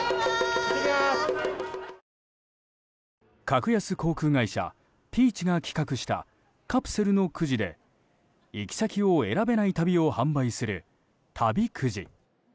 格安航空会社Ｐｅａｃｈが企画した、カプセルのくじで行き先を選べない旅を販売する旅くじ。